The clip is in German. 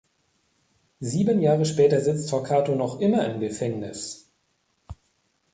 Sieben Jahre später sitzt Torquato noch immer im Gefängnis.